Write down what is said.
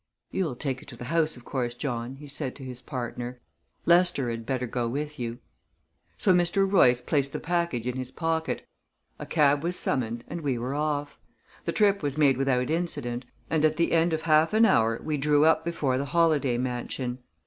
"You'll take it to the house, of course, John," he said to his partner. "Lester 'd better go with you." So Mr. Royce placed the package in his pocket, a cab was summoned, and we were off. The trip was made without incident, and at the end of half an hour we drew up before the Holladay mansion.